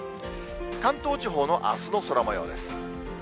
関東地方のあすの空もようです。